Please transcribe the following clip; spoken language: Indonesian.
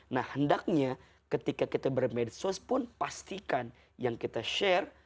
nah hendaknya ketika kita bermedsos pun pastikan yang kita share adalah sesuatu yang baik